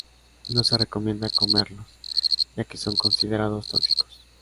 No se recomienda comerlos, ya que son considerados tóxicos.